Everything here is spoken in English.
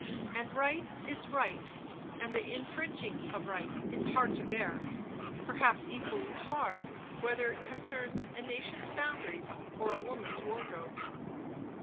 And right is right; and the infringing of right is hard to bear, perhaps equally hard, whether it concerns a nation's boundaries or a woman's wardrobe.